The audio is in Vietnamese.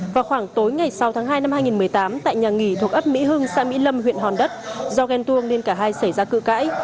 vào khoảng tối ngày sáu tháng hai năm hai nghìn một mươi tám tại nhà nghỉ thuộc ấp mỹ hưng xã mỹ lâm huyện hòn đất do ghen tuông nên cả hai xảy ra cự cãi